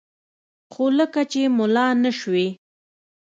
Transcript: خو لکه چې ملا نه سوې.